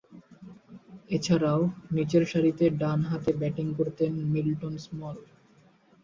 এছাড়াও, নিচেরসারিতে ডানহাতে ব্যাটিং করতেন মিল্টন স্মল।